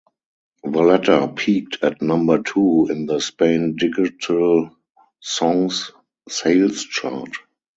The latter peaked at number two in the Spain Digital Songs Sales chart.